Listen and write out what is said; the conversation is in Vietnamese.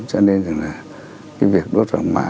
cho nên là cái việc đốt vàng mã